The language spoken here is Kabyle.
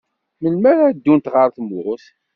Melmi ara ddunt ɣer tmurt?